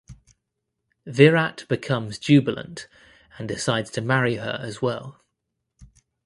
Virat becomes jubilant and decides to marry her as well.